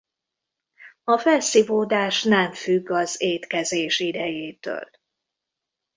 A felszívódás nem függ az étkezés idejétől.